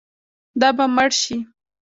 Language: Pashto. دا به مړ شي.